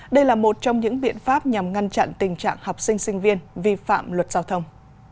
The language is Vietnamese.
đây là một trong những biện pháp nhằm ngăn chặn tình trạng học sinh sinh viên vi phạm luật giao thông